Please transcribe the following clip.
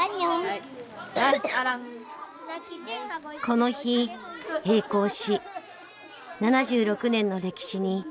この日閉校し７６年の歴史に幕を閉じました。